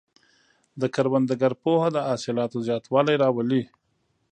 د کروندګر پوهه د حاصلاتو زیاتوالی راولي.